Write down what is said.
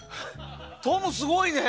トム、すごいね！